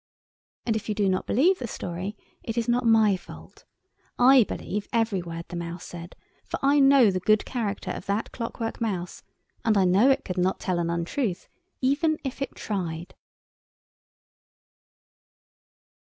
And if you do not believe the story it is not my fault: I believe every word the mouse said, for I know the good character of that clockwork mouse, and I know it could not tell an untruth even if it tried.